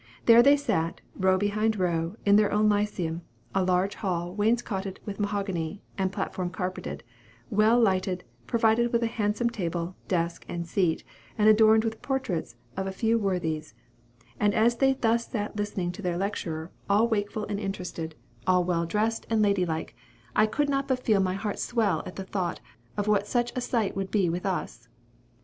There they sat, row behind row, in their own Lyceum a large hall, wainscoted with mahogany, the platform carpeted, well lighted, provided with a handsome table, desk, and seat, and adorned with portraits of a few worthies, and as they thus sat listening to their lecturer, all wakeful and interested, all well dressed and lady like, I could not but feel my heart swell at the thought, of what such a sight would be with us.